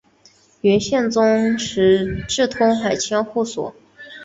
元宪宗时置通海千户所。